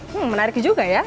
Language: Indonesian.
hmm menarik juga ya